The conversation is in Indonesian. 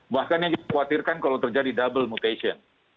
bahkan yang dikhawatirkan kalau terjadi double mutation